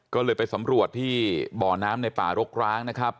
ก็เลยไปสำรวจที่บ่อน้ำในป่ารกร้างนะครับ